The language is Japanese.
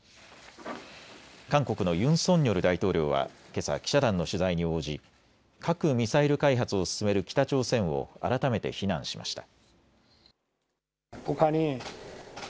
韓国のユン・ソンニョル大統領はけさ記者団の取材に応じ核・ミサイル開発を進める北朝鮮を改めて非難しました。